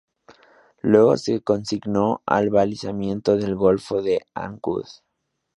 Luego se consignó al balizamiento del golfo de Ancud.